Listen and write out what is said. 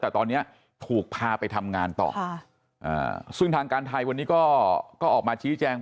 แต่ตอนนี้ถูกพาไปทำงานต่อซึ่งทางการไทยวันนี้ก็ออกมาชี้แจง